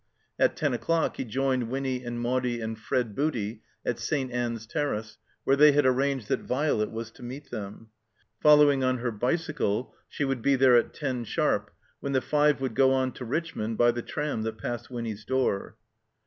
At ten o'clock he joined Winny and Maudie and Fred Booty at St. Aim's Terrace, where they had arranged that Violet was to meet them. Following on her bicycle, she would be there at ten sharp, when the five would go on to Richmond by the tram that passed Winny's door.